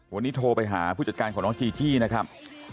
วันนี้โทรไปหาผู้จัดการของน้องจีจี้นะครับ